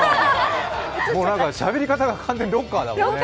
もうしゃべり方が完全にロッカーだよね。